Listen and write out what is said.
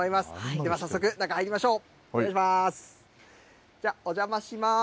では早速、中、入りましょう。